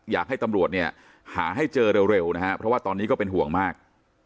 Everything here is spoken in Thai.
อยากให้ตำรวจเนี่ยหาให้เจอเร็วนะฮะเพราะว่าตอนนี้ก็เป็นห่วงมาก